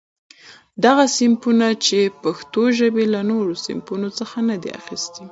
غه صنفونه، چي پښتوژبي له نورڅخه نه دي اخستي.